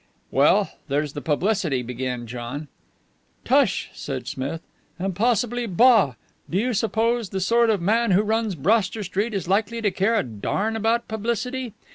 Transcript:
"Well, there's the publicity," began John. "Tush!" said Smith. "And possibly bah! Do you suppose that the sort of man who runs Broster Street is likely to care a darn about publicity?